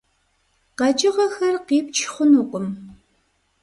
КъэкӀыгъэхэр къипч хъунукъым.